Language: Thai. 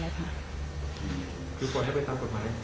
คือปล่อยให้ไปตามกฎหมาย